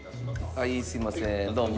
はいすいませんどうも。